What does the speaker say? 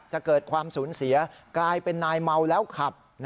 จะเกิดความสูญเสียกลายเป็นนายเมาแล้วขับ